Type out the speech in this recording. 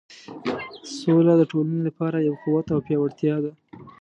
سوله د ټولنې لپاره یو قوت او پیاوړتیا ده.